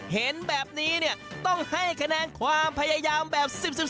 เห็นแบบนี้เนี่ยต้องให้คะแนนความพยายามแบบ๑๐๔